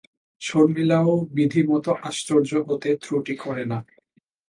শর্মিলাও বিধিমত আশ্চর্য হতে ত্রুটি করে না।